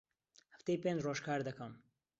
هەفتەی پێنج ڕۆژ کار دەکەم.